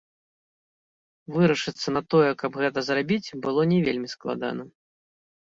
Вырашыцца на тое, каб гэта зрабіць, было не вельмі складана.